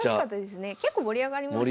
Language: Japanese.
結構盛り上がりましたね。